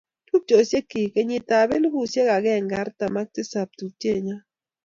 Tuppchosiekchi, kenyitab elipusiek agenge artam ak tisap, tupchenyo